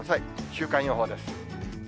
週間予報です。